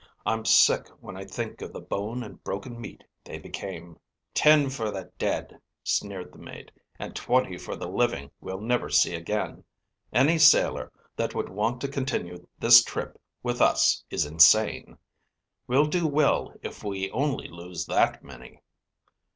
I'm sick when I think of the bone and broken meat they became." "Ten for the dead," sneered the mate, "and twenty for the living we'll never see again. Any sailor that would want to continue this trip with us is insane. We'll do well if we only lose that many."